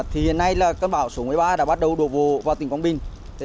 hiện nay là cơn bão số một mươi ba đã bắt đầu đột vô vào tỉnh quảng bình